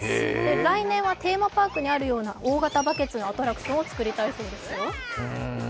来年はテーマパークにあるような大型バケツのアトラクションを作りたいそうですよ。